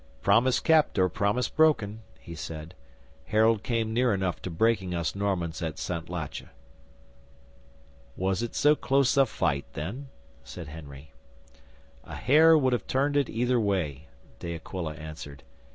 '"Promise kept or promise broken," he said, "Harold came near enough to breaking us Normans at Santlache." '"Was it so close a fight, then?" said Henry. '"A hair would have turned it either way," De Aquila answered.